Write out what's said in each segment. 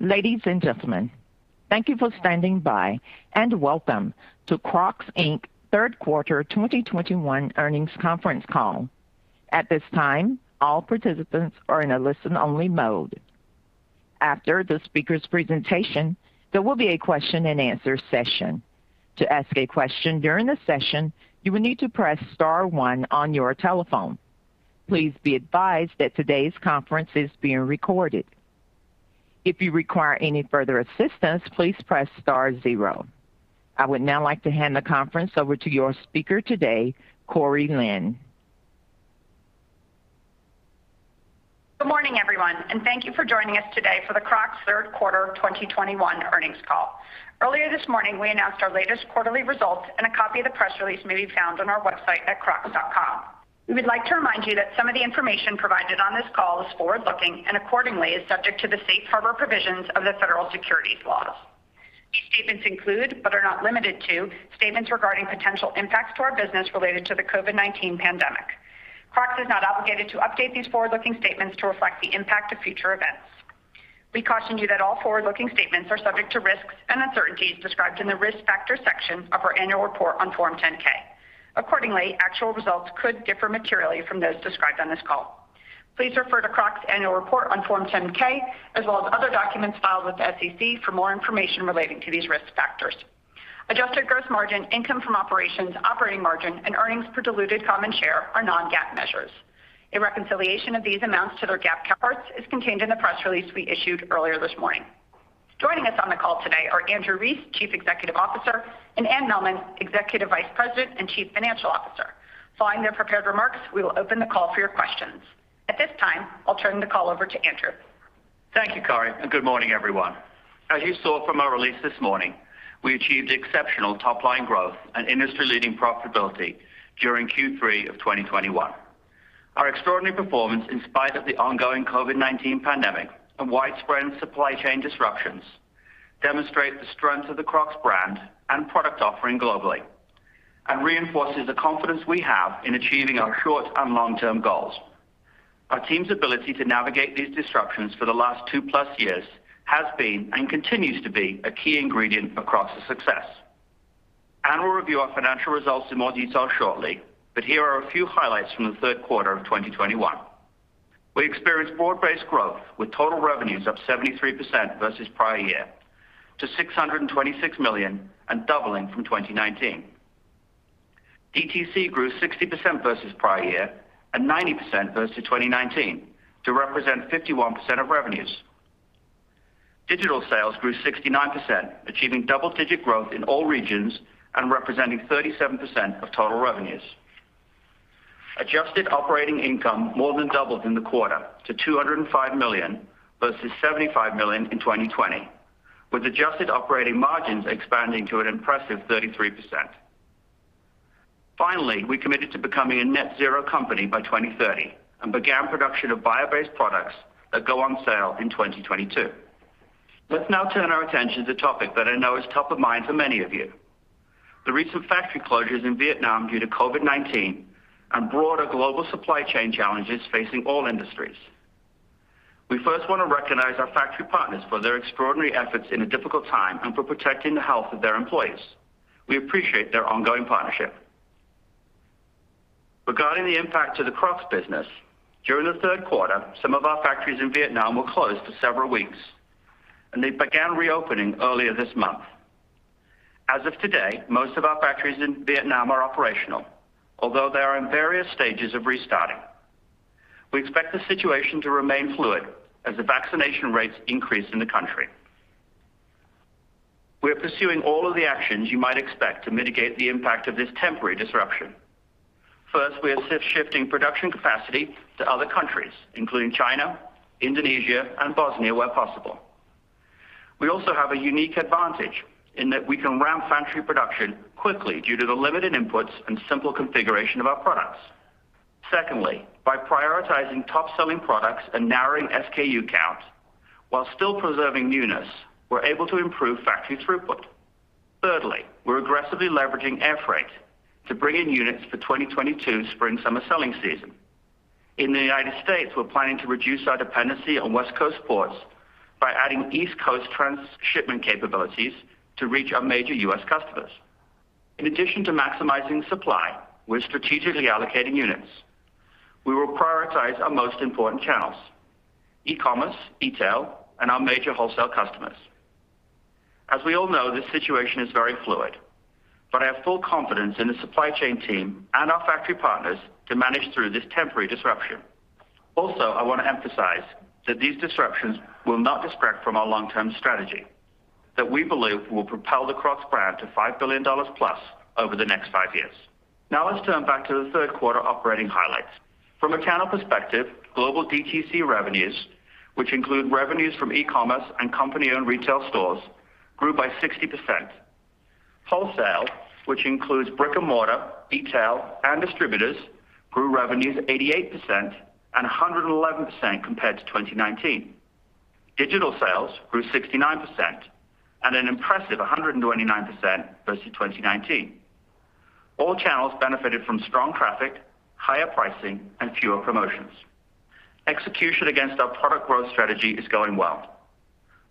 Ladies and gentlemen, thank you for standing by and welcome to Crocs, Inc. Third Quarter 2021 Earnings Conference Call. At this time, all participants are on listen-only mode. After the speaker's presentation, there will be a question-and-answer session. To ask a question during the session, you will need to press star one on your telephone. Please be advised that today's conference is being recorded. If you require any further assistance, please press star zero. I would now like to hand the conference over to your speaker today, Corinne Lin. Good morning, everyone, and thank you for joining us today for the Crocs Third Quarter 2021 Earnings Call. Earlier this morning, we announced our latest quarterly results, and a copy of the press release may be found on our website at crocs.com. We would like to remind you that some of the information provided on this call is forward-looking and accordingly is subject to the safe harbor provisions of the federal securities laws. These statements include, but are not limited to, statements regarding potential impacts to our business related to the COVID-19 pandemic. Crocs is not obligated to update these forward-looking statements to reflect the impact of future events. We caution you that all forward-looking statements are subject to risks and uncertainties described in the Risk Factors section of our annual report on Form 10-K. Accordingly, actual results could differ materially from those described on this call. Please refer to Crocs' annual report on Form 10-K as well as other documents filed with the SEC for more information relating to these risk factors. Adjusted gross margin, income from operations, operating margin, and earnings per diluted common share are non-GAAP measures. A reconciliation of these amounts to their GAAP counterparts is contained in the press release we issued earlier this morning. Joining us on the call today are Andrew Rees, Chief Executive Officer; and Anne Mehlman, Executive Vice President and Chief Financial Officer. Following their prepared remarks, we will open the call for your questions. At this time, I'll turn the call over to Andrew. Thank you, Cori, and good morning, everyone. As you saw from our release this morning, we achieved exceptional top-line growth and industry-leading profitability during Q3 of 2021. Our extraordinary performance in spite of the ongoing COVID-19 pandemic and widespread supply chain disruptions demonstrate the strength of the Crocs brand and product offering globally and reinforces the confidence we have in achieving our short and long-term goals. Our team's ability to navigate these disruptions for the last 2+ years has been, and continues to be, a key ingredient of Crocs' success. Anne will review our financial results in more detail shortly, here are a few highlights from the third quarter of 2021. We experienced broad-based growth with total revenues up 73% versus prior year to $626 million and doubling from 2019. DTC grew 60% versus prior year and 90% versus 2019 to represent 51% of revenues. Digital sales grew 69%, achieving double-digit growth in all regions and representing 37% of total revenues. Adjusted operating income more than doubled in the quarter to $205 million versus $75 million in 2020, with adjusted operating margins expanding to an impressive 33%. Finally, we committed to becoming a net zero company by 2030 and began production of bio-based products that go on sale in 2022. Let's now turn our attention to the topic that I know is top of mind for many of you, the recent factory closures in Vietnam due to COVID-19 and broader global supply chain challenges facing all industries. We first want to recognize our factory partners for their extraordinary efforts in a difficult time and for protecting the health of their employees. We appreciate their ongoing partnership. Regarding the impact to the Crocs business, during the third quarter, some of our factories in Vietnam were closed for several weeks, and they began reopening earlier this month. As of today, most of our factories in Vietnam are operational, although they are in various stages of restarting. We expect the situation to remain fluid as the vaccination rates increase in the country. We are pursuing all of the actions you might expect to mitigate the impact of this temporary disruption. First, we are shifting production capacity to other countries, including China, Indonesia, and Bosnia, where possible. We also have a unique advantage in that we can ramp factory production quickly due to the limited inputs and simple configuration of our products. Secondly, by prioritizing top-selling products and narrowing SKU count while still preserving newness, we're able to improve factory throughput. Thirdly, we're aggressively leveraging air freight to bring in units for 2022 spring/summer selling season. In the United States, we're planning to reduce our dependency on West Coast ports by adding East Coast transshipment capabilities to reach our major U.S. customers. In addition to maximizing supply, we're strategically allocating units. We will prioritize our most important channels: e-commerce, e-tail, and our major wholesale customers. As we all know, this situation is very fluid, but I have full confidence in the supply chain team and our factory partners to manage through this temporary disruption. Also, I want to emphasize that these disruptions will not distract from our long-term strategy that we believe will propel the Crocs brand to $5,000,000,000+ over the next five years. Now let's turn back to the third quarter operating highlights. From a channel perspective, global DTC revenues, which include revenues from e-commerce and company-owned retail stores, grew by 60%. Wholesale, which includes brick and mortar, e-tail, and distributors, grew revenues 88% and 111% compared to 2019. Digital sales grew 69% and an impressive 129% versus 2019. All channels benefited from strong traffic, higher pricing, and fewer promotions. Execution against our product growth strategy is going well.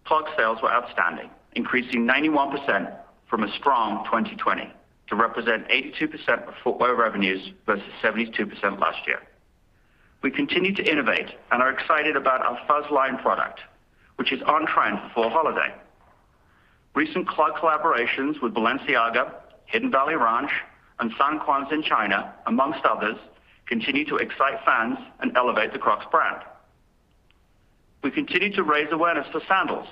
Clog sales were outstanding, increasing 91% from a strong 2020 to represent 82% of footwear revenues versus 72% last year. We continue to innovate and are excited about our Fuzz line product, which is on trend for holiday. Recent clog collaborations with Balenciaga, Hidden Valley Ranch, and Sankuanz in China, amongst others, continue to excite fans and elevate the Crocs brand. We continue to raise awareness for sandals,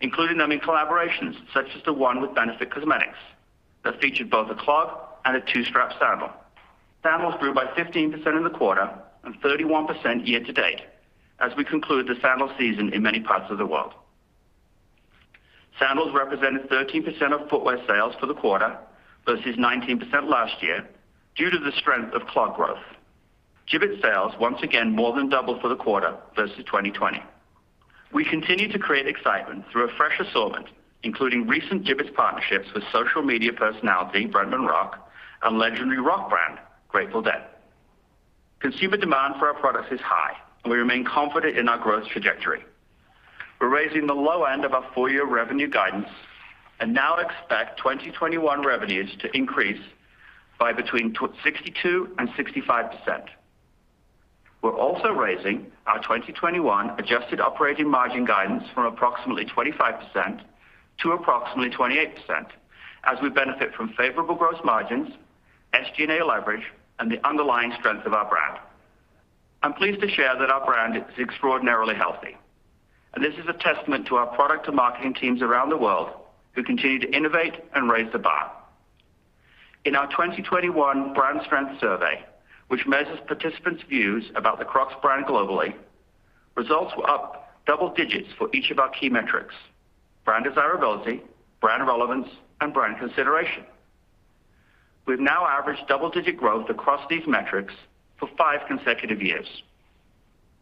including them in collaborations such as the one with Benefit Cosmetics that featured both a clog and a two-strap sandal. Sandals grew by 15% in the quarter and 31% year-to-date as we conclude the sandal season in many parts of the world. Sandals represented 13% of footwear sales for the quarter versus 19% last year due to the strength of clog growth. Jibbitz sales once again more than doubled for the quarter versus 2020. We continue to create excitement through a fresh assortment, including recent Jibbitz partnerships with social media personality Bretman Rock and legendary rock band Grateful Dead. Consumer demand for our products is high, and we remain confident in our growth trajectory. We're raising the low end of our full-year revenue guidance and now expect 2021 revenues to increase by between 62% and 65%. We're also raising our 2021 adjusted operating margin guidance from approximately 25% to approximately 28% as we benefit from favorable gross margins, SG&A leverage, and the underlying strength of our brand. I'm pleased to share that our brand is extraordinarily healthy. This is a testament to our product and marketing teams around the world who continue to innovate and raise the bar. In our 2021 brand strength survey, which measures participants' views about the Crocs brand globally, results were up double digits for each of our key metrics: brand desirability, brand relevance, and brand consideration. We've now averaged double-digit growth across these metrics for five consecutive years.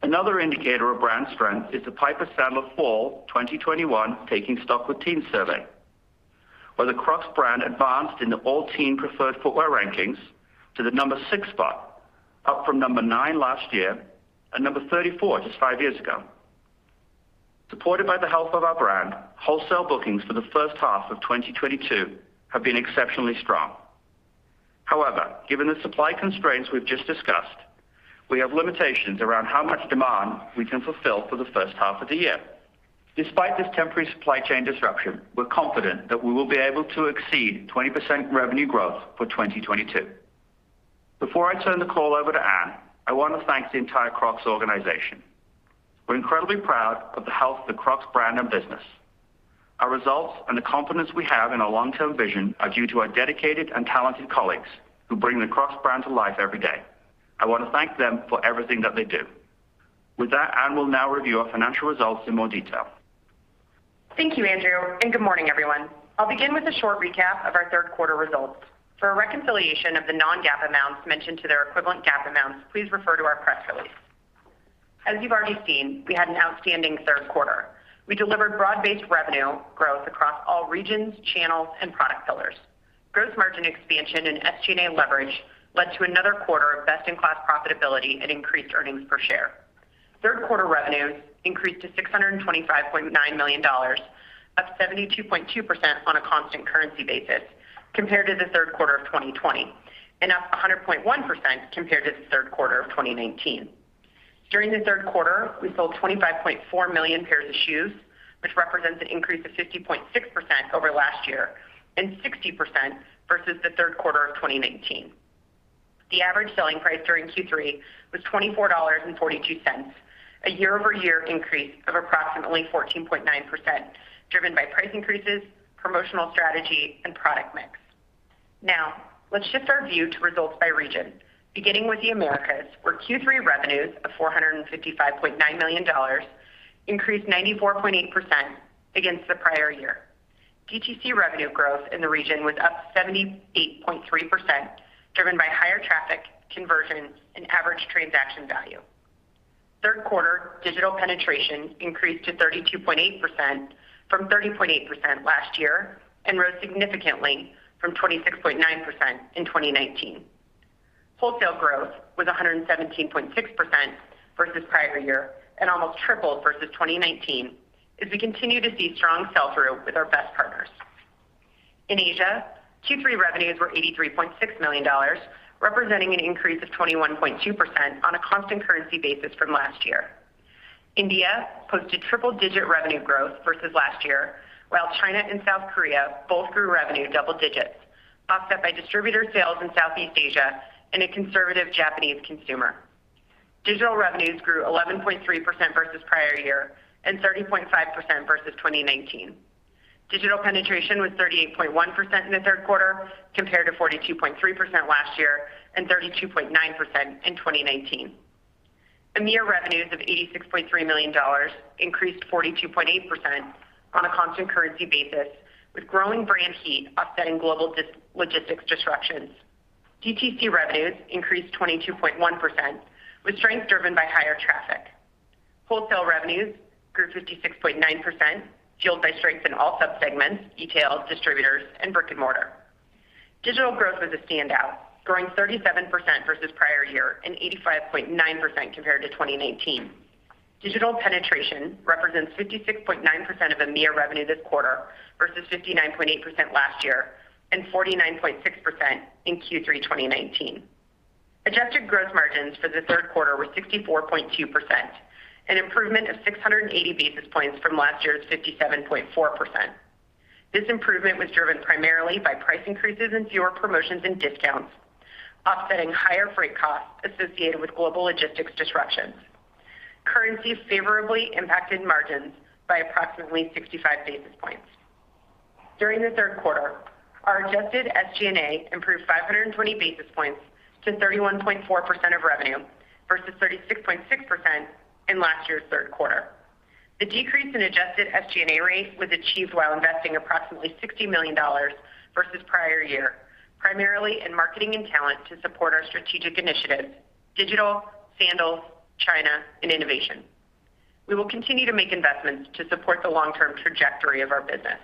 Another indicator of brand strength is the Piper Sandler Fall 2021 Taking Stock With Teens survey, where the Crocs brand advanced in the All Teen Preferred Footwear rankings to the number six spot, up from number nine last year and number 34 just five years ago. Supported by the health of our brand, wholesale bookings for the first half of 2022 have been exceptionally strong. However, given the supply constraints we've just discussed, we have limitations around how much demand we can fulfill for the first half of the year. Despite this temporary supply chain disruption, we're confident that we will be able to exceed 20% revenue growth for 2022. Before I turn the call over to Anne, I want to thank the entire Crocs organization. We're incredibly proud of the health of the Crocs brand and business. Our results and the confidence we have in our long-term vision are due to our dedicated and talented colleagues who bring the Crocs brand to life every day. I want to thank them for everything that they do. With that, Anne will now review our financial results in more detail. Thank you, Andrew, and good morning, everyone. I'll begin with a short recap of our third quarter results. For a reconciliation of the non-GAAP amounts mentioned to their equivalent GAAP amounts, please refer to our press release. As you've already seen, we had an outstanding third quarter. We delivered broad-based revenue growth across all regions, channels, and product pillars. Gross margin expansion and SG&A leverage led to another quarter of best-in-class profitability and increased earnings per share. Third quarter revenues increased to $625.9 million, up 72.2% on a constant currency basis compared to the third quarter of 2020, and up 100.1% compared to the third quarter of 2019. During the third quarter, we sold 25.4 million pairs of shoes, which represents an increase of 50.6% over last year and 60% versus the third quarter of 2019. The average selling price during Q3 was $24.42, a year-over-year increase of approximately 14.9%, driven by price increases, promotional strategy, and product mix. Let's shift our view to results by region, beginning with the Americas, where Q3 revenues of $455.9 million increased 94.8% against the prior year. DTC revenue growth in the region was up 78.3%, driven by higher traffic conversion and average transaction value. Third quarter digital penetration increased to 32.8% from 30.8% last year and rose significantly from 26.9% in 2019. Wholesale growth was 117.6% versus prior year and almost tripled versus 2019 as we continue to see strong sell-through with our best partners. In Asia, Q3 revenues were $83.6 million, representing an increase of 21.2% on a constant currency basis from last year. India posted triple-digit revenue growth versus last year, while China and South Korea both grew revenue double digits, offset by distributor sales in Southeast Asia and a conservative Japanese consumer. Digital revenues grew 11.3% versus prior year and 30.5% versus 2019. Digital penetration was 38.1% in the third quarter compared to 42.3% last year and 32.9% in 2019. EMEA revenues of $86.3 million increased 42.8% on a constant currency basis, with growing brand heat offsetting global logistics disruptions. DTC revenues increased 22.1%, with strength driven by higher traffic. Wholesale revenues grew 56.9%, fueled by strengths in all sub-segments, details, distributors, and brick-and-mortar. Digital growth was a standout, growing 37% versus the prior year and 85.9% compared to 2019. Digital penetration represents 56.9% of EMEA revenue this quarter versus 59.8% last year and 49.6% in Q3 2019. Adjusted gross margins for the third quarter were 64.2%, an improvement of 680 basis points from last year's 57.4%. This improvement was driven primarily by price increases and fewer promotions and discounts, offsetting higher freight costs associated with global logistics disruptions. Currency favorably impacted margins by approximately 65 basis points. During the third quarter, our adjusted SG&A improved 520 basis points to 31.4% of revenue versus 36.6% in last year's third quarter. The decrease in adjusted SG&A rate was achieved while investing approximately $60 million versus the prior year, primarily in marketing and talent to support our strategic initiatives: Digital, Sandals, China, and Innovation. We will continue to make investments to support the long-term trajectory of our business.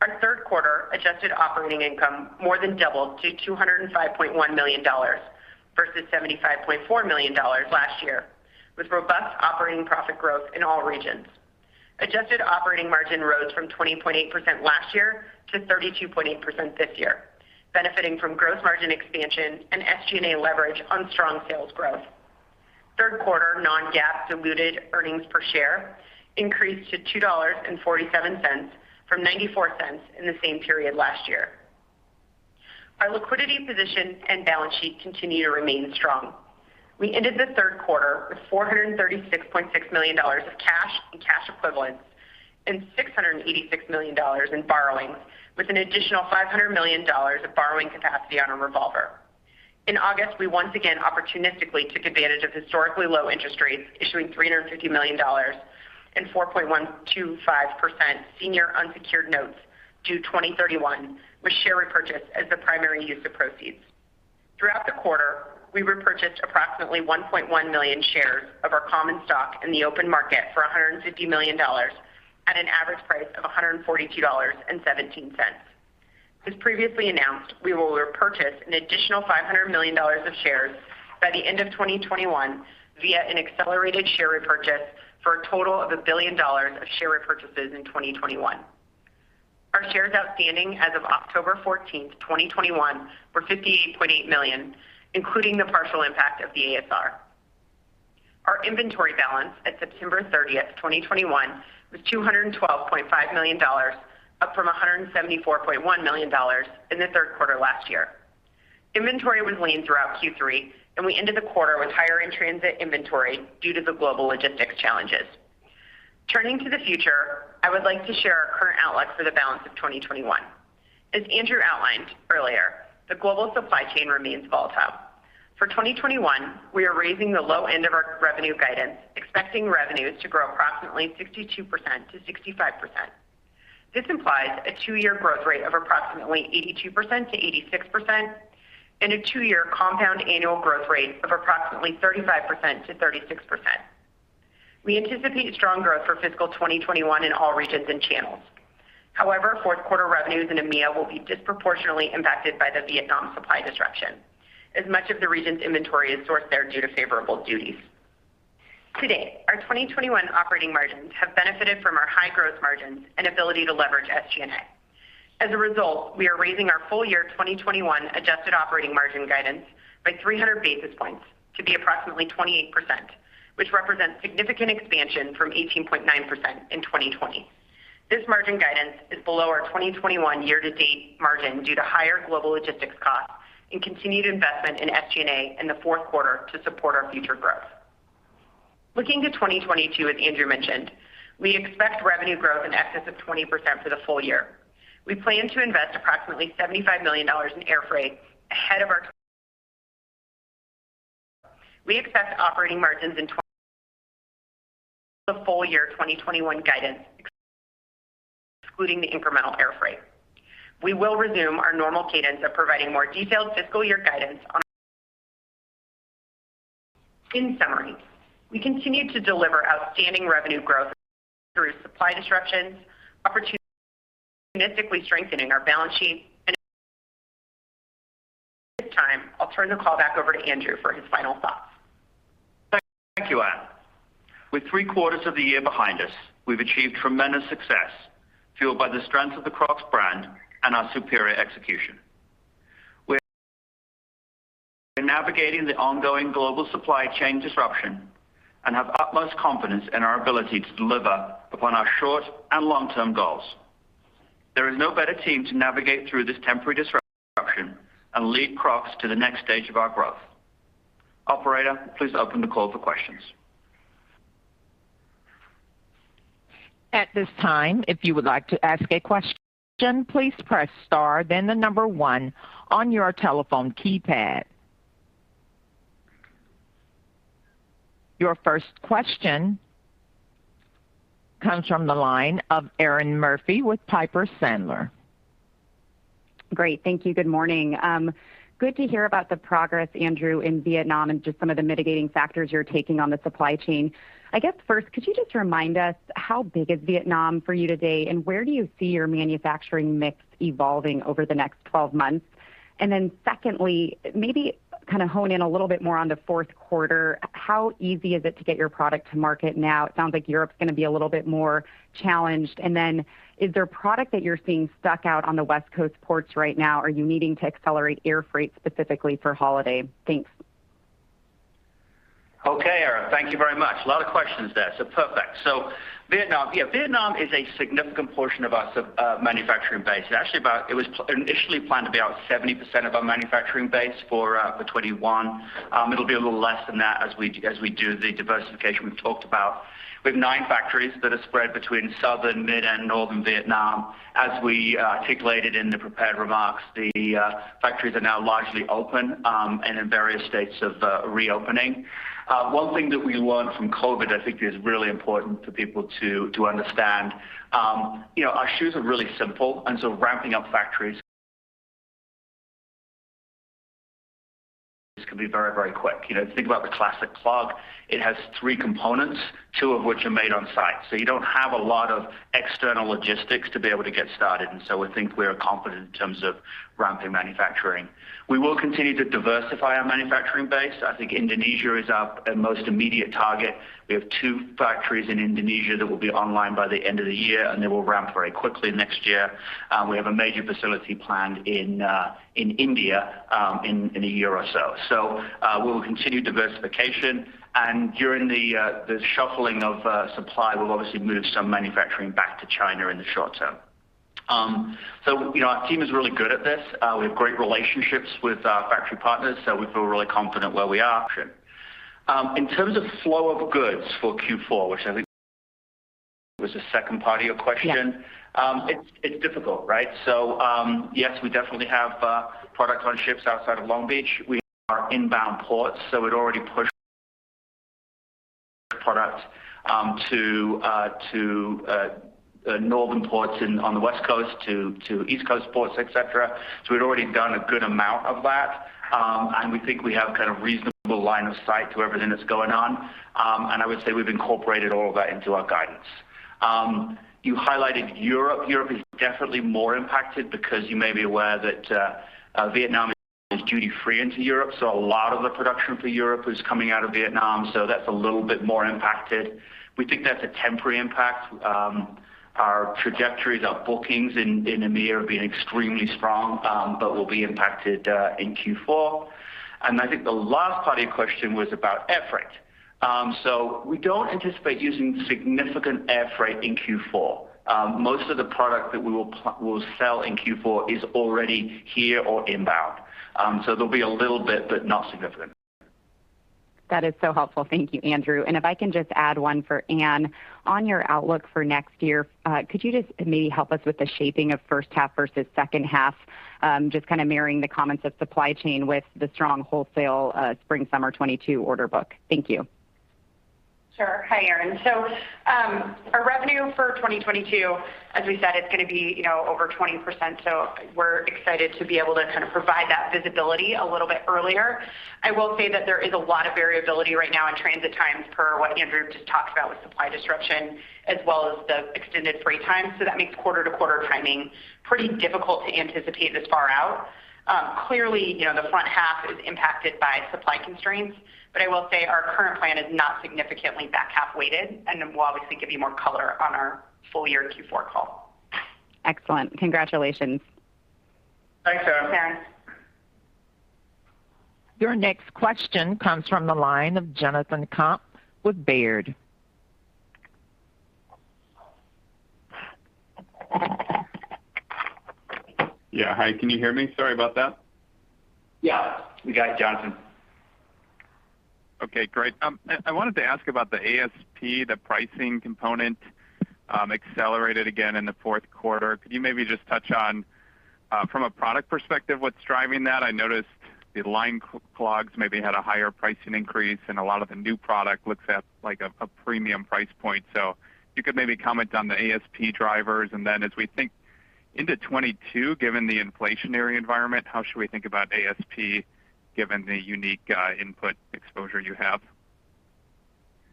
Our third quarter adjusted operating income more than doubled to $205.1 million versus $75.4 million last year, with robust operating profit growth in all regions. Adjusted operating margin rose from 20.8% last year to 32.8% this year, benefiting from gross margin expansion and SG&A leverage on strong sales growth. Third quarter non-GAAP diluted earnings per share increased to $2.47 from $0.94 in the same period last year. Our liquidity position and balance sheet continue to remain strong. We ended the third quarter with $436.6 million of cash and cash equivalents and $686 million in borrowings, with an additional $500 million of borrowing capacity on a revolver. In August, we once again opportunistically took advantage of historically low interest rates, issuing $350 million in 4.125% senior unsecured notes due 2031, with share repurchase as the primary use of proceeds. Throughout the quarter, we repurchased approximately 1.1 million shares of our common stock in the open market for $150 million at an average price of $142.17. As previously announced, we will repurchase an additional $500 million of shares by the end of 2021 via an accelerated share repurchase for a total of $1 billion of share repurchases in 2021. Our shares outstanding as of October 14th, 2021, were 58.8 million, including the partial impact of the ASR. Our inventory balance at September 30th, 2021, was $212.5 million, up from $174.1 million in the third quarter last year. Inventory was lean throughout Q3. We ended the quarter with higher in-transit inventory due to the global logistics challenges. Turning to the future, I would like to share our current outlook for the balance of 2021. As Andrew outlined earlier, the global supply chain remains volatile. For 2021, we are raising the low end of our revenue guidance, expecting revenues to grow approximately 62%-65%. This implies a two-year growth rate of approximately 82%-86% and a two-year compound annual growth rate of approximately 35%-36%. We anticipate strong growth for fiscal 2021 in all regions and channels. However, fourth quarter revenues in EMEA will be disproportionately impacted by the Vietnam supply disruption, as much of the region's inventory is sourced there due to favorable duties. To date, our 2021 operating margins have benefited from our high growth margins and ability to leverage SG&A. As a result, we are raising our full-year 2021 adjusted operating margin guidance by 300 basis points to be approximately 28%, which represents significant expansion from 18.9% in 2020. This margin guidance is below our 2021 year-to-date margin due to higher global logistics costs and continued investment in SG&A in the fourth quarter to support our future growth. Looking to 2022, as Andrew mentioned, we expect revenue growth in excess of 20% for the full year. We plan to invest approximately $75 million in air freight ahead of our. We expect operating margins in the full year 2021 guidance, excluding the incremental air freight. We will resume our normal cadence of providing more detailed fiscal year guidance on. In summary, we continue to deliver outstanding revenue growth through supply disruptions, opportunistically strengthening our balance sheet, and. This time, I'll turn the call back over to Andrew for his final thoughts. Thank you, Anne. With three quarters of the year behind us, we've achieved tremendous success fueled by the strength of the Crocs brand and our superior execution. We're navigating the ongoing global supply chain disruption and have utmost confidence in our ability to deliver upon our short and long-term goals. There is no better team to navigate through this temporary disruption and lead Crocs to the next stage of our growth. Operator, please open the call for questions. At this time, if you would like to ask a question, please press star then the number one on your telephone keypad. Your first question comes from the line of Erinn Murphy with Piper Sandler. Great. Thank you. Good morning. Good to hear about the progress, Andrew, in Vietnam and just some of the mitigating factors you're taking on the supply chain. I guess first, could you just remind us how big is Vietnam for you today and where do you see your manufacturing mix evolving over the next 12 months? Secondly, maybe kind of hone in a little bit more on the fourth quarter. How easy is it to get your product to market now? It sounds like Europe is going to be a little bit more challenged. Is there product that you're seeing stuck out on the West Coast ports right now? Are you needing to accelerate air freight specifically for holiday? Thanks. Okay, Erinn, thank you very much. A lot of questions there, perfect. Vietnam. Yeah, Vietnam is a significant portion of our manufacturing base. It was initially planned to be about 70% of our manufacturing base for 2021. It'll be a little less than that as we do the diversification we've talked about. We have ninee factories that are spread between Southern, Mid, and Northern Vietnam. As we articulated in the prepared remarks, the factories are now largely open and in various states of reopening. One thing that we learned from COVID, I think is really important for people to understand. Our shoes are really simple, and so ramping up factories can be very quick. Think about the classic Clog. It has three components, two of which are made on-site. You don't have a lot of external logistics to be able to get started, and so we think we are competent in terms of ramping manufacturing. We will continue to diversify our manufacturing base. I think Indonesia is our most immediate target. We have two factories in Indonesia that will be online by the end of the year, and they will ramp very quickly next year. We have a major facility planned in India in a year or so. We will continue diversification, and during the shuffling of supply, we'll obviously move some manufacturing back to China in the short term. Our team is really good at this. We have great relationships with our factory partners, so we feel really confident where we are. In terms of flow of goods for Q4, which I think was the second part of your question. Yeah. It's difficult, right? Yes, we definitely have product on ships outside of Long Beach. We have our inbound ports, so we'd already pushed product to northern ports on the West Coast to East Coast ports, et cetera. We'd already done a good amount of that, and we think we have reasonable line of sight to everything that's going on. I would say we've incorporated all of that into our guidance. You highlighted Europe. Europe is definitely more impacted because you may be aware that Vietnam is duty-free into Europe. A lot of the production for Europe is coming out of Vietnam, so that's a little bit more impacted. We think that's a temporary impact. Our trajectories, our bookings in EMEA have been extremely strong but will be impacted in Q4. I think the last part of your question was about air freight. We don't anticipate using significant air freight in Q4. Most of the product that we will sell in Q4 is already here or inbound. There'll be a little bit, but not significant. That is so helpful. Thank you, Andrew. If I can just add one for Anne, on your outlook for next year, could you just maybe help us with the shaping of first half versus second half, just kind of marrying the comments of supply chain with the strong wholesale Spring-Summer 2022 order book. Thank you. Sure. Hi, Erinn. Our revenue for 2022, as we said, it's going to be over 20%. We're excited to be able to provide that visibility a little bit earlier. I will say that there is a lot of variability right now in transit times per what Andrew just talked about with supply disruption as well as the extended free times. That makes quarter-to-quarter timing pretty difficult to anticipate this far out. Clearly, the front half is impacted by supply constraints. I will say our current plan is not significantly back half weighted. We'll obviously give you more color on our full year Q4 call. Excellent. Congratulations. Thanks, Erinn. Thanks. Your next question comes from the line of Jonathan Komp with Baird. Yeah. Hi, can you hear me? Sorry about that. Yeah. We got you, Jonathan. Okay, great. I wanted to ask about the ASP, the pricing component accelerated again in the fourth quarter. Could you maybe just touch on from a product perspective what's driving that? I noticed the Lined clogs maybe had a higher pricing increase, and a lot of the new product looks at like a premium price point. If you could maybe comment on the ASP drivers, and then as we think into 2022, given the inflationary environment, how should we think about ASP given the unique input exposure you have?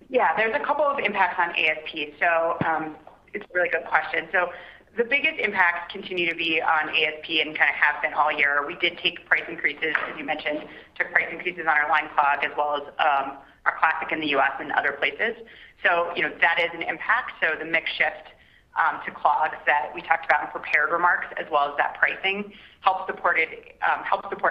Yeah, there's a couple of impacts on ASP. It's a really good question. The biggest impacts continue to be on ASP and kind of have been all year. We did take price increases, as you mentioned, took price increases on our Lined clog as well as our classic in the U.S. and other places. That is an impact. The mix shift to clogs that we talked about in prepared remarks as well as that pricing help support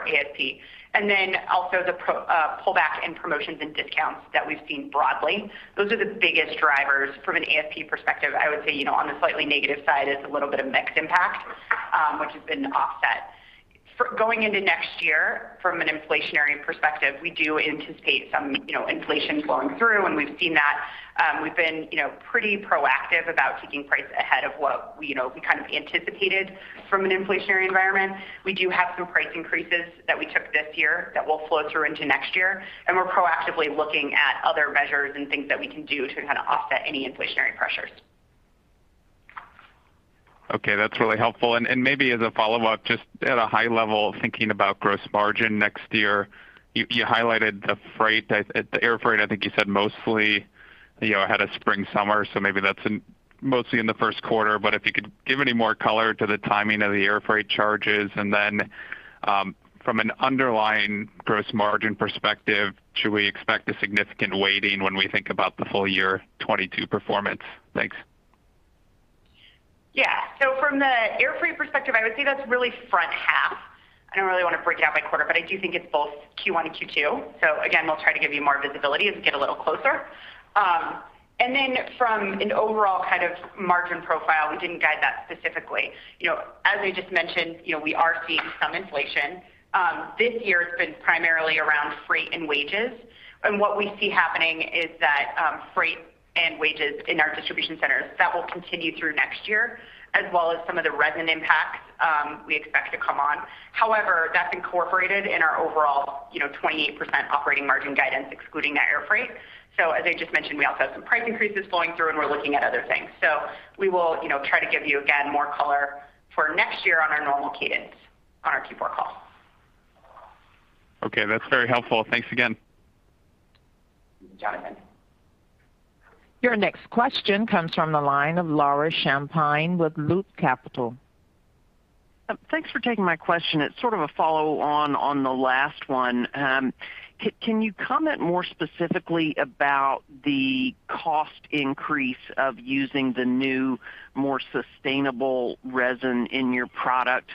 ASP. Also the pullback in promotions and discounts that we've seen broadly. Those are the biggest drivers from an ASP perspective. I would say on the slightly negative side is a little bit of mixed impact which has been offset. Going into next year from an inflationary perspective, we do anticipate some inflation flowing through, and we've seen that. We've been pretty proactive about taking price ahead of what we kind of anticipated from an inflationary environment. We do have some price increases that we took this year that will flow through into next year, and we're proactively looking at other measures and things that we can do to kind of offset any inflationary pressures. Okay. That's really helpful. Maybe as a follow-up, just at a high level, thinking about gross margin next year, you highlighted the air freight. I think you said mostly ahead of spring, summer, so maybe that's mostly in the first quarter. If you could give any more color to the timing of the air freight charges. From an underlying gross margin perspective, should we expect a significant weighting when we think about the full year 2022 performance? Thanks. Yeah. From the air freight perspective, I would say that's really front half. I don't really want to break out by quarter, but I do think it's both Q1 and Q2. Again, we'll try to give you more visibility as we get a little closer. From an overall kind of margin profile, we didn't guide that specifically. As I just mentioned, we are seeing some inflation. This year it's been primarily around freight and wages. What we see happening is that freight and wages in our distribution centers, that will continue through next year, as well as some of the resin impacts we expect to come on. However, that's incorporated in our overall 28% operating margin guidance, excluding that air freight. As I just mentioned, we also have some price increases flowing through, and we're looking at other things. We will try to give you, again, more color for next year on our normal cadence on our Q4 call. Okay, that's very helpful. Thanks again. Jonathan. Your next question comes from the line of Laura Champine with Loop Capital. Thanks for taking my question. It's sort of a follow-on on the last one. Can you comment more specifically about the cost increase of using the new, more sustainable resin in your product,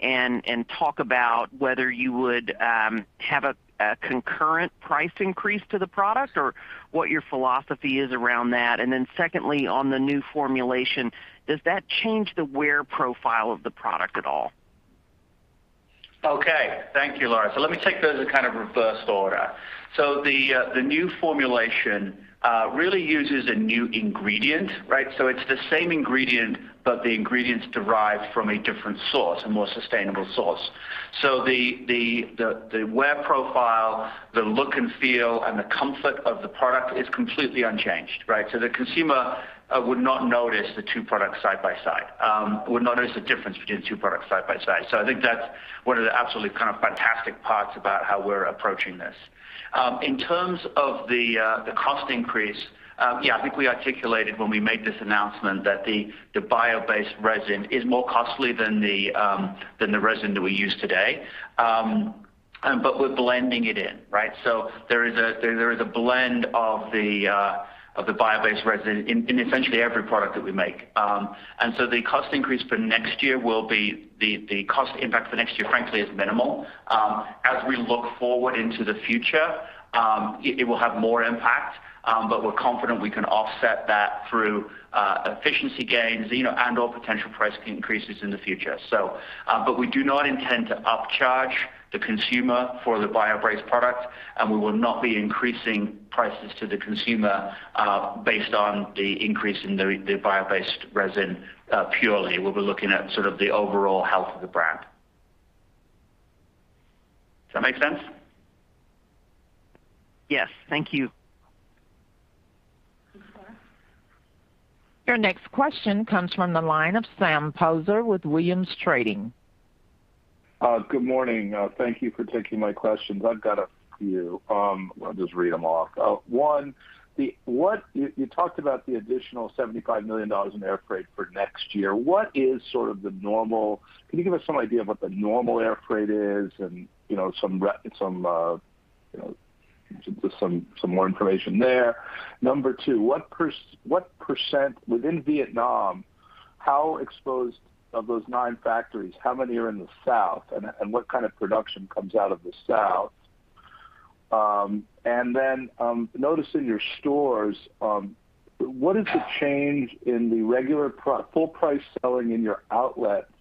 and talk about whether you would have a concurrent price increase to the product, or what your philosophy is around that? Secondly, on the new formulation, does that change the wear profile of the product at all? Okay. Thank you, Laura. Let me take those in kind of reverse order. The new formulation really uses a new ingredient, right? It's the same ingredient, but the ingredient's derived from a different source, a more sustainable source. The wear profile, the look and feel, and the comfort of the product is completely unchanged, right? The consumer would not notice the difference between the two products side by side. I think that's one of the absolutely kind of fantastic parts about how we're approaching this. In terms of the cost increase, yeah, I think we articulated when we made this announcement that the bio-based resin is more costly than the resin that we use today. We're blending it in, right? There is a blend of the bio-based resin in essentially every product that we make. The cost impact for next year, frankly, is minimal. As we look forward into the future, it will have more impact. We're confident we can offset that through efficiency gains and/or potential price increases in the future. We do not intend to upcharge the consumer for the bio-based product, and we will not be increasing prices to the consumer based on the increase in the bio-based resin purely. We'll be looking at sort of the overall health of the brand. Does that make sense? Yes. Thank you. Thanks, Laura. Your next question comes from the line of Sam Poser with Williams Trading. Good morning. Thank you for taking my questions. I've got a few. I'll just read them off. One, you talked about the additional $75 million in air freight for next year. Can you give us some idea of what the normal air freight is and just some more information there? Number two, within Vietnam, of those nine factories, how many are in the south, and what kind of production comes out of the south? Noticing your stores, what is the change in the regular full price selling in your outlets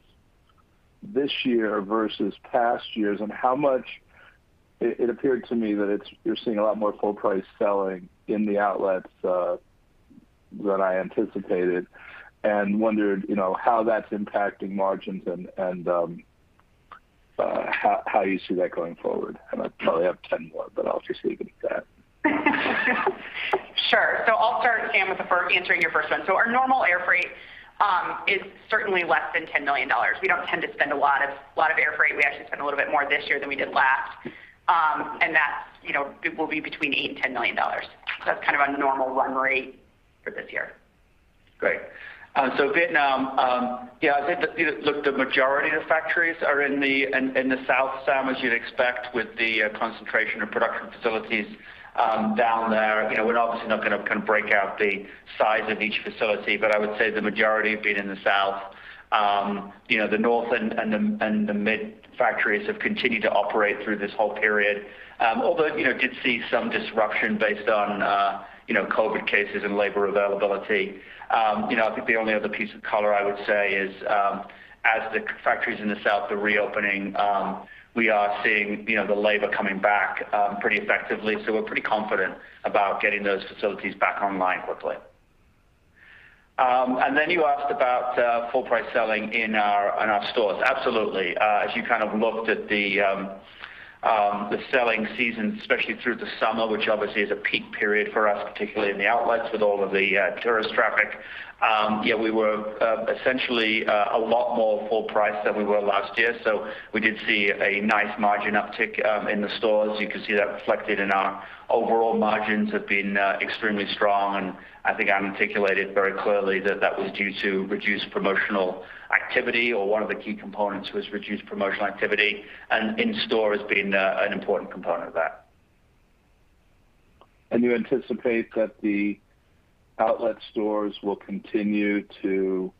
this year versus past years? It appeared to me that you're seeing a lot more full price selling in the outlets than I anticipated, and wondered how that's impacting margins and how you see that going forward. I probably have 10 more, but I'll just leave it at that. Sure. I'll start, Sam, with answering your first one. Our normal air freight is certainly less than $10 million. We don't tend to spend a lot of air freight. We actually spent a little bit more this year than we did last. That will be between $8 million and $10 million. That's kind of our normal run rate for this year. Great. Vietnam. Yeah, I think the majority of the factories are in the south, Sam, as you'd expect with the concentration of production facilities down there. I would say the majority have been in the south. The north and the mid factories have continued to operate through this whole period. Did see some disruption based on COVID cases and labor availability. I think the only other piece of color I would say is, as the factories in the south are reopening, we are seeing the labor coming back pretty effectively. We're pretty confident about getting those facilities back online quickly. Then you asked about full price selling in our stores. Absolutely. As you kind of looked at the selling season, especially through the summer, which obviously is a peak period for us, particularly in the outlets with all of the tourist traffic. We were essentially a lot more full price than we were last year, we did see a nice margin uptick in the stores. You can see that reflected in our overall margins have been extremely strong, I think I articulated very clearly that that was due to reduced promotional activity, one of the key components was reduced promotional activity, and in-store has been an important component of that. You anticipate that the outlet stores will continue to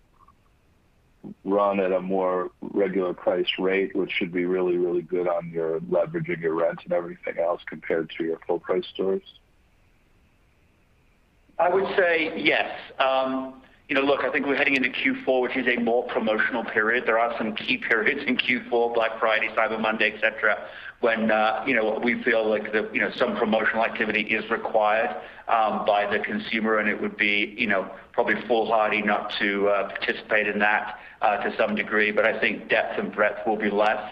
run at a more regular price rate, which should be really, really good on your leveraging your rent and everything else compared to your full price stores? I would say yes. I think we're heading into Q4, which is a more promotional period. There are some key periods in Q4, Black Friday, Cyber Monday, et cetera, when we feel like some promotional activity is required by the consumer, and it would be probably foolhardy not to participate in that to some degree. I think depth and breadth will be less,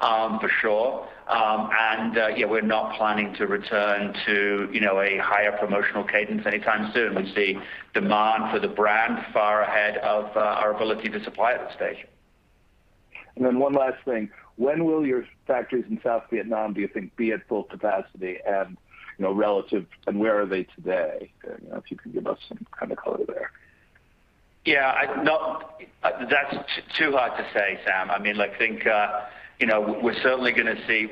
for sure. Yeah, we're not planning to return to a higher promotional cadence anytime soon. We see demand for the brand far ahead of our ability to supply at this stage. One last thing. When will your factories in South Vietnam, do you think, be at full capacity and relative, and where are they today? If you can give us some kind of color there. Yeah. That's too hard to say, Sam. I think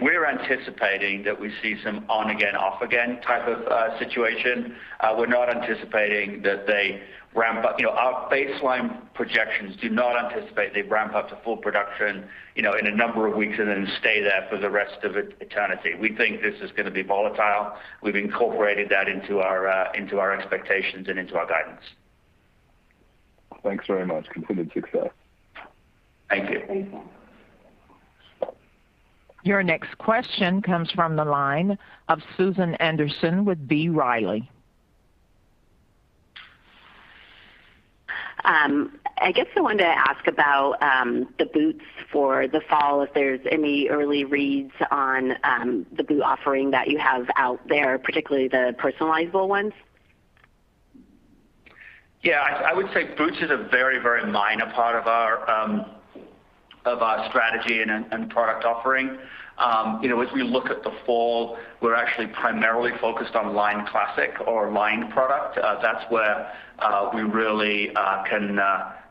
we're anticipating that we see some on again, off again type of situation. Our baseline projections do not anticipate they ramp up to full production in a number of weeks and then stay there for the rest of eternity. We think this is going to be volatile. We've incorporated that into our expectations and into our guidance. Thanks very much. Continued success. Thank you. Your next question comes from the line of Susan Anderson with B. Riley. I guess I wanted to ask about the boots for the fall, if there's any early reads on the boot offering that you have out there, particularly the personalizable ones. I would say boots is a very minor part of our strategy and product offering. As we look at the fall, we're actually primarily focused on Lined classic or Lined product. That's where we really can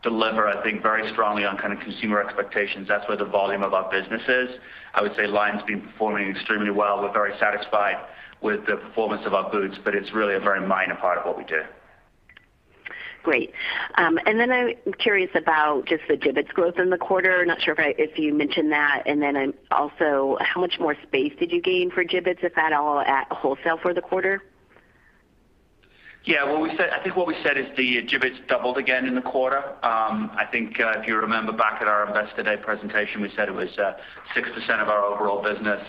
deliver, I think, very strongly on consumer expectations. That's where the volume of our business is. I would say Lined's been performing extremely well. We're very satisfied with the performance of our boots, but it's really a very minor part of what we do. Great. I'm curious about just the Jibbitz growth in the quarter. Not sure if you mentioned that. How much more space did you gain for Jibbitz, if at all, at wholesale for the quarter? Yeah. I think what we said is the Jibbitz doubled again in the quarter. I think if you remember back at our Investor Day presentation, we said it was 6% of our overall business.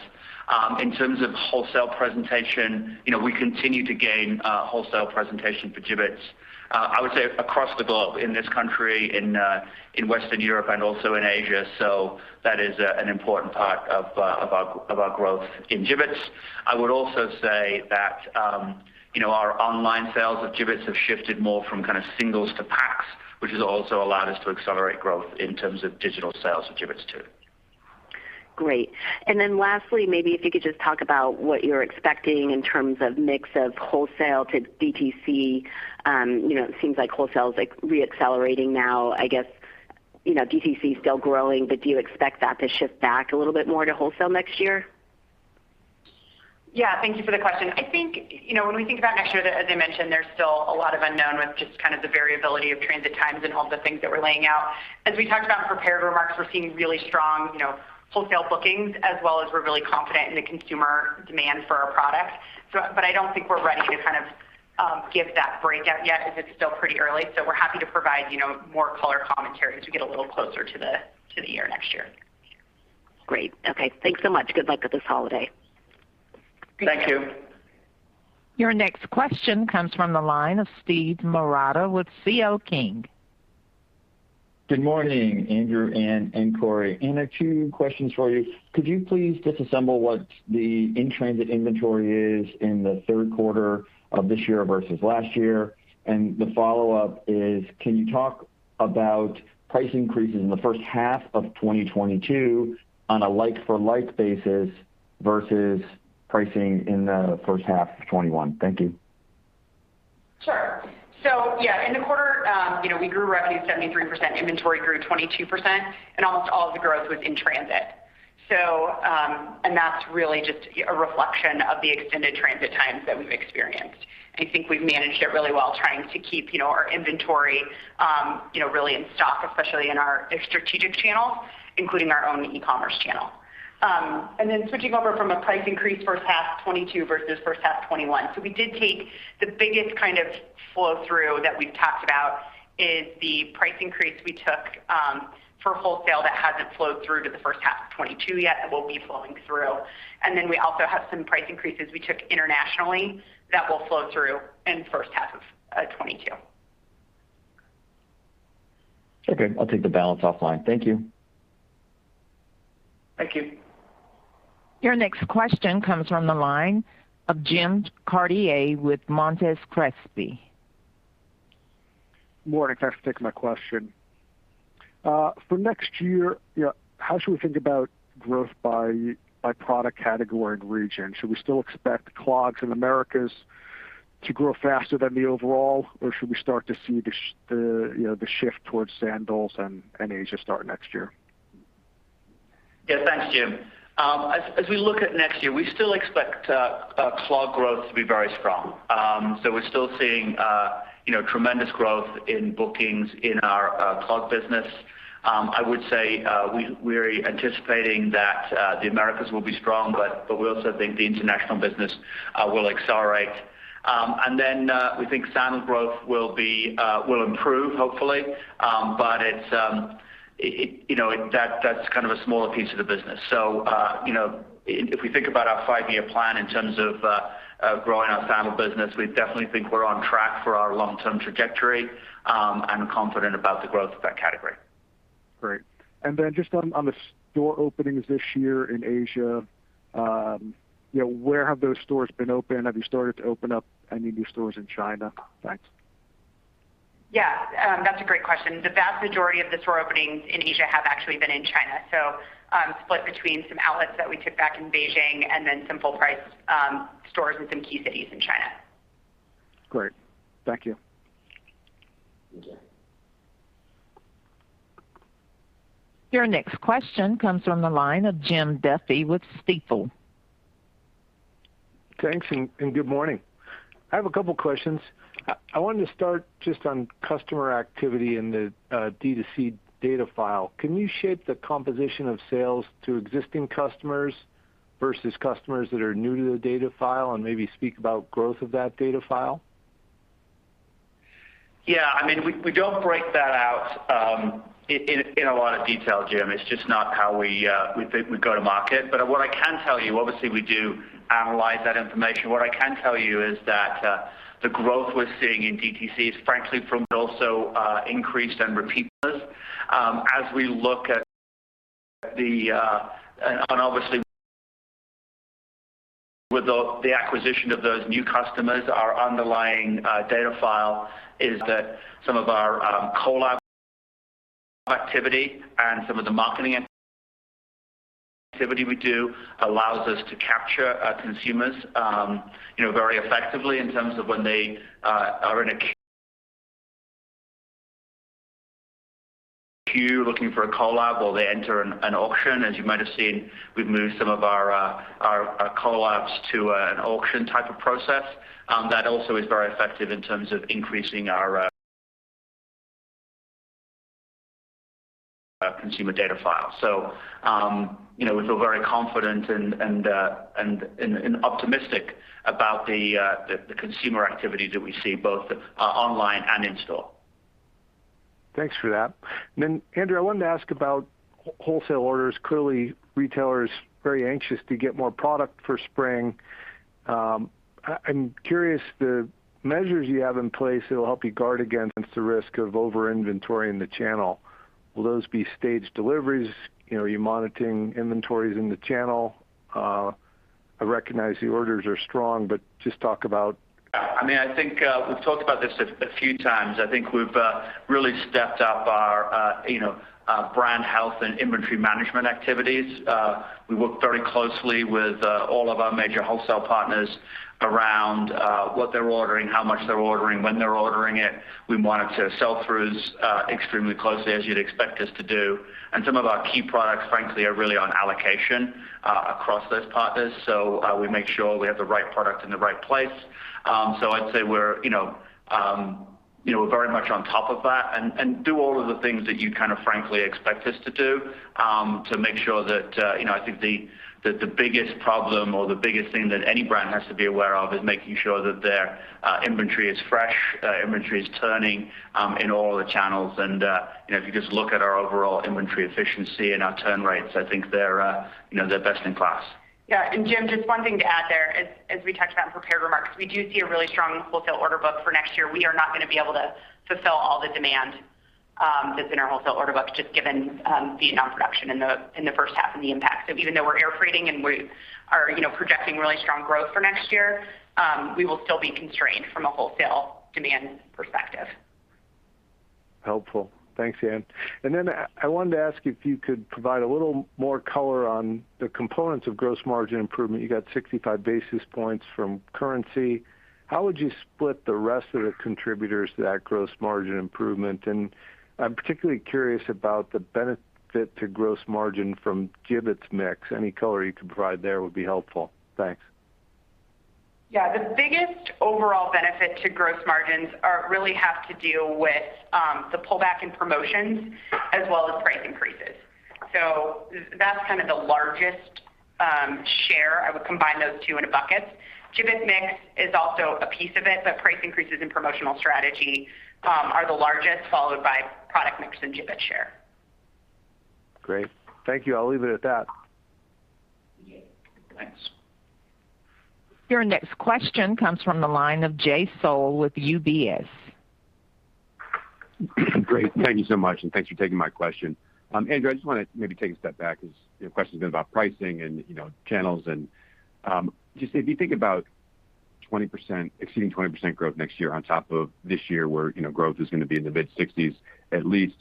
In terms of wholesale presentation, we continue to gain wholesale presentation for Jibbitz. I would say across the globe, in this country, in Western Europe and also in Asia. That is an important part of our growth in Jibbitz. I would also say that our online sales of Jibbitz have shifted more from singles to packs, which has also allowed us to accelerate growth in terms of digital sales of Jibbitz, too. Great. Lastly, maybe if you could just talk about what you're expecting in terms of mix of wholesale to DTC. It seems like wholesale is re-accelerating now. DTC is still growing, but do you expect that to shift back a little bit more to wholesale next year? Thank you for the question. I think when we think about next year, as I mentioned, there's still a lot of unknown with just the variability of transit times and all the things that we're laying out. As we talked about in prepared remarks, we're seeing really strong wholesale bookings as well as we're really confident in the consumer demand for our product. I don't think we're ready to give that breakout yet as it's still pretty early. We're happy to provide more color commentary as we get a little closer to the year next year. Great. Okay. Thanks so much. Good luck with this holiday. Thank you. Thank you. Your next question comes from the line of Steve Marotta with C.L. King. Good morning, Andrew, Anne, and Cori. Anne, two questions for you. Could you please disassemble what the in-transit inventory is in the third quarter of this year versus last year? The follow-up is, can you talk about price increases in the first half of 2022 on a like for like basis versus pricing in the first half of 2021? Thank you. Sure. Yeah, in the quarter we grew revenue 73%, inventory grew 22%, almost all of the growth was in transit. That's really just a reflection of the extended transit times that we've experienced. I think we've managed it really well, trying to keep our inventory really in stock, especially in our strategic channels, including our own e-commerce channel. Then switching over from a price increase first half 2022 versus first half 2021. We did take the biggest flow through that we've talked about is the price increase we took for wholesale that hasn't flowed through to the first half of 2022 yet, that will be flowing through. Then we also have some price increases we took internationally that will flow through in first half of 2022. Okay. I'll take the balance offline. Thank you. Thank you. Your next question comes from the line of Jim Chartier with Monness, Crespi. Morning. Thanks for taking my question. For next year, how should we think about growth by product category and region? Should we still expect clogs in Americas to grow faster than the overall, or should we start to see the shift towards sandals and Asia start next year? Yeah. Thanks, Jim. As we look at next year, we still expect clog growth to be very strong. We're still seeing tremendous growth in bookings in our clog business. I would say we're anticipating that the Americas will be strong, but we also think the international business will accelerate. We think sandal growth will improve, hopefully, but that's a smaller piece of the business. If we think about our five-year plan in terms of growing our sandal business, we definitely think we're on track for our long-term trajectory, and confident about the growth of that category. Great. Just on the store openings this year in Asia, where have those stores been opened? Have you started to open up any new stores in China? Thanks. Yeah. That's a great question. The vast majority of the store openings in Asia have actually been in China, so split between some outlets that we took back in Beijing and then some full price stores in some key cities in China. Great. Thank you. Thank you. Your next question comes from the line of Jim Duffy with Stifel. Thanks, good morning. I have a couple questions. I wanted to start just on customer activity in the D2C data file. Can you shape the composition of sales to existing customers versus customers that are new to the data file, and maybe speak about growth of that data file? Yeah. We don't break that out in a lot of detail, Jim. It's just not how we go to market. What I can tell you, obviously, we do analyze that information. What I can tell you is that the growth we're seeing in DTC is frankly from also increased and repeat business. As we look at the acquisition of those new customers, our underlying data file is that some of our collab activity and some of the marketing activity we do allows us to capture our consumers very effectively in terms of when they are in a queue looking for a collab or they enter an auction. As you might have seen, we've moved some of our collabs to an auction type of process. That also is very effective in terms of increasing our consumer data file. We feel very confident and optimistic about the consumer activity that we see both online and in store. Thanks for that. Andrew, I wanted to ask about wholesale orders. Clearly, retailers very anxious to get more product for spring. I'm curious, the measures you have in place that will help you guard against the risk of over-inventory in the channel, will those be staged deliveries? Are you monitoring inventories in the channel? I recognize the orders are strong. Yeah. We've talked about this a few times. I think we've really stepped up our brand health and inventory management activities. We work very closely with all of our major wholesale partners around what they're ordering, how much they're ordering, when they're ordering it. We monitor sell-throughs extremely closely, as you'd expect us to do. Some of our key products, frankly, are really on allocation across those partners. We make sure we have the right product in the right place. I'd say we're very much on top of that, and do all of the things that you frankly expect us to do. I think the biggest problem or the biggest thing that any brand has to be aware of is making sure that their inventory is fresh, inventory is turning in all the channels. If you just look at our overall inventory efficiency and our turn rates, I think they're best in class. Yeah. Jim, just one thing to add there. As we talked about in prepared remarks, we do see a really strong wholesale order book for next year. We are not going to be able to fulfill all the demand that's in our wholesale order book, just given Vietnam production in the first half and the impact. Even though we're air freighting and we are projecting really strong growth for next year, we will still be constrained from a wholesale demand perspective. Helpful. Thanks, Anne. Then I wanted to ask if you could provide a little more color on the components of gross margin improvement. You got 65 basis points from currency. How would you split the rest of the contributors to that gross margin improvement? I'm particularly curious about the benefit to gross margin from Jibbitz mix. Any color you can provide there would be helpful. Thanks. Yeah. The biggest overall benefit to gross margins really have to do with the pullback in promotions as well as price increases. That's the largest share. I would combine those two into buckets. Jibbitz mix is also a piece of it, but price increases and promotional strategy are the largest, followed by product mix and Jibbitz share. Great. Thank you. I'll leave it at that. Your next question comes from the line of Jay Sole with UBS. Great. Thank you so much, and thanks for taking my question. Andrew, I just want to maybe take a step back because the question's been about pricing and channels. Just if you think about exceeding 20% growth next year on top of this year, where growth is going to be in the mid-60%s at least,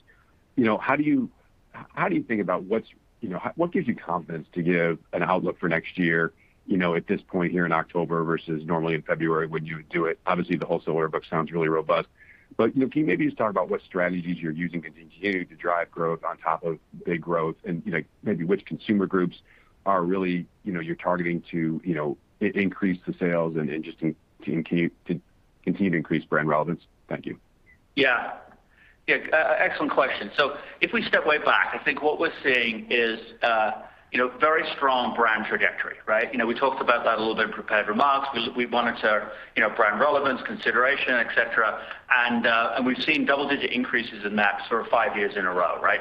what gives you confidence to give an outlook for next year, at this point here in October versus normally in February when you would do it? The wholesaler book sounds really robust. Can you maybe just talk about what strategies you're using to continue to drive growth on top of big growth? Maybe which consumer groups you're targeting to increase the sales and just to continue to increase brand relevance? Thank you. Yeah. Excellent question. If we step way back, I think what we're seeing is very strong brand trajectory, right? We talked about that a little bit in prepared remarks. We monitor brand relevance, consideration, et cetera, and we've seen double-digit increases in that for five years in a row, right?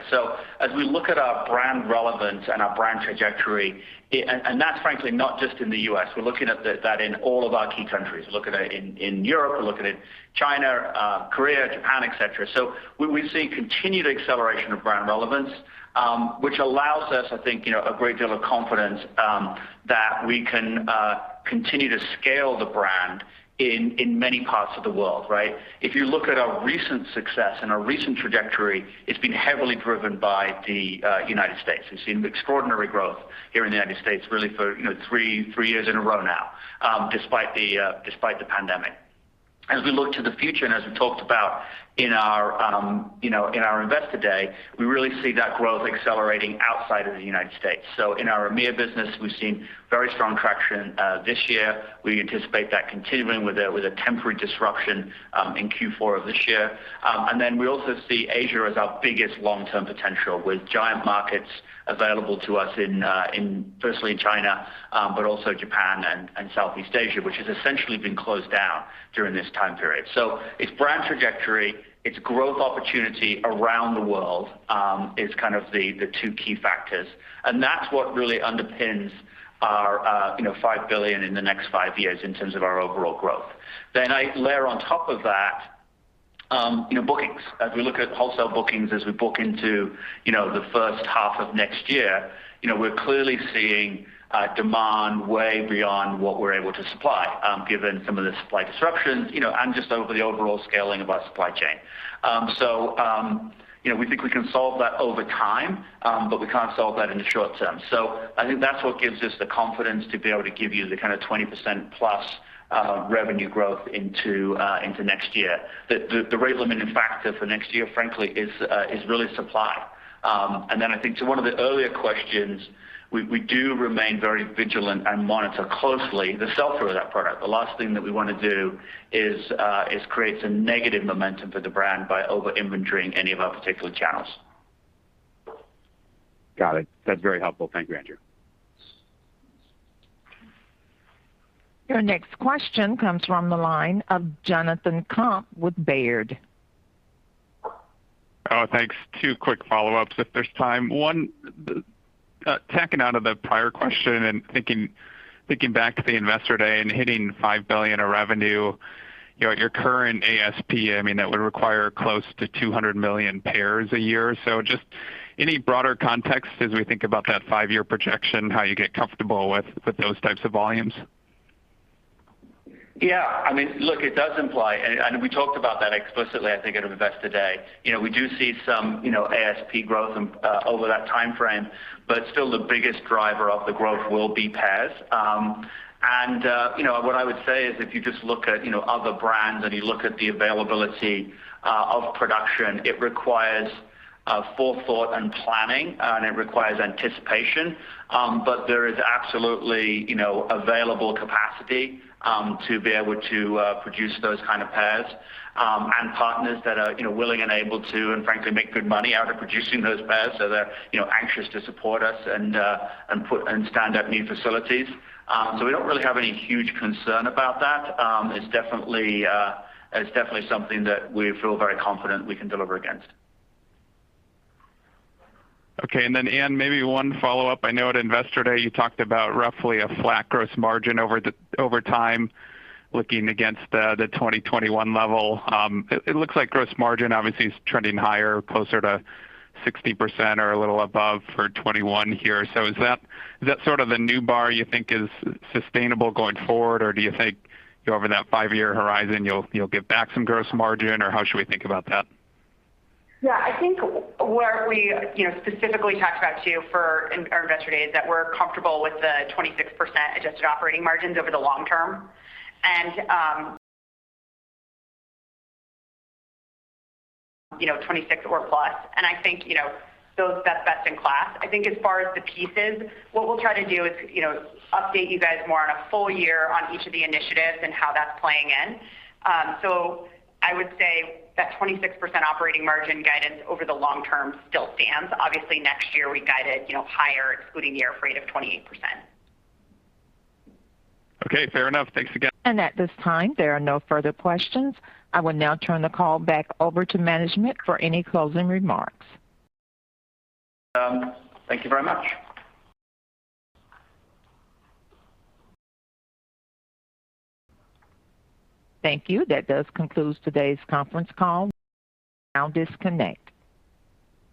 As we look at our brand relevance and our brand trajectory, and that's frankly not just in the U.S., we're looking at that in all of our key countries. We're looking at it in Europe, we're looking at China, Korea, Japan, et cetera. We see continued acceleration of brand relevance, which allows us, I think, a great deal of confidence that we can continue to scale the brand in many parts of the world, right? If you look at our recent success and our recent trajectory, it's been heavily driven by the United States. We've seen extraordinary growth here in the U.S., really for three years in a row now, despite the pandemic. As we look to the future, as we talked about in our Investor Day, we really see that growth accelerating outside of the United States. In our EMEA business, we've seen very strong traction this year. We anticipate that continuing with a temporary disruption in Q4 of this year. We also see Asia as our biggest long-term potential with giant markets available to us firstly in China, but also Japan and Southeast Asia, which has essentially been closed down during this time period. It's brand trajectory, it's growth opportunity around the world is kind of the two key factors. That's what really underpins our $5 billion in the next five years in terms of our overall growth. I layer on top of that bookings. As we look at wholesale bookings as we book into the first half of next year, we're clearly seeing demand way beyond what we're able to supply, given some of the supply disruptions, and just over the overall scaling of our supply chain. We think we can solve that over time, but we can't solve that in the short term. I think that's what gives us the confidence to be able to give you the kind of 20%+ revenue growth into next year. The rate limiting factor for next year, frankly, is really supply. I think to one of the earlier questions, we do remain very vigilant and monitor closely the sell-through of that product. The last thing that we want to do is create a negative momentum for the brand by over-inventoring any of our particular channels. Got it. That's very helpful. Thank you, Andrew. Your next question comes from the line of Jonathan Komp with Baird. Oh, thanks. Two quick follow-ups if there's time. One, tacking out of the prior question and thinking back to the Investor Day and hitting $5 billion of revenue, your current ASP, that would require close to 200 million pairs a year. Just any broader context as we think about that five-year projection, how you get comfortable with those types of volumes? Look, it does imply, and we talked about that explicitly, I think, at Investor Day. We do see some ASP growth over that timeframe, but still the biggest driver of the growth will be pairs. What I would say is if you just look at other brands and you look at the availability of production, it requires forethought and planning, and it requires anticipation. There is absolutely available capacity to be able to produce those kind of pairs, and partners that are willing and able to, and frankly, make good money out of producing those pairs. They're anxious to support us and stand up new facilities. We don't really have any huge concern about that. It's definitely something that we feel very confident we can deliver against. Okay, Anne, maybe one follow-up. I know at Investor Day, you talked about roughly a flat gross margin over time looking against the 2021 level. It looks like gross margin obviously is trending higher, closer to 60% or a little above for 2021 here. Is that sort of the new bar you think is sustainable going forward? Do you think over that five-year horizon, you'll give back some gross margin, or how should we think about that? I think what we specifically talked about, too, in our Investor Day is that we're comfortable with the 26% adjusted operating margins over the long term and 26% or plus, and I think that's best in class. I think as far as the pieces, what we'll try to do is update you guys more on a full year on each of the initiatives and how that's playing in. I would say that 26% operating margin guidance over the long term still stands. Obviously, next year we guided higher, excluding the air freight of 28%. Okay, fair enough. Thanks again. At this time, there are no further questions. I will now turn the call back over to management for any closing remarks. Thank you very much. Thank you. That does conclude today's conference call. You may now disconnect.